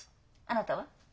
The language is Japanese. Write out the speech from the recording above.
あなたは？